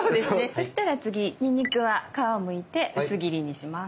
そしたら次にんにくは皮をむいて薄切りにします。